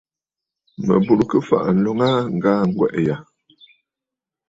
Mə bùrə kɨ fàʼà ǹloln aa ŋgaa ŋgwɛ̀ʼɛ̀ yâ.